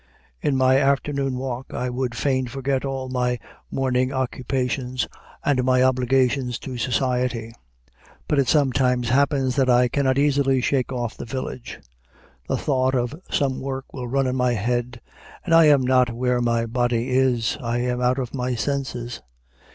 In my afternoon walk I would fain forget all my morning occupations and my obligations to society. But it sometimes happens that I cannot easily shake off the village. The thought of some work will run in my head, and I am not where my body is, I am out of my senses.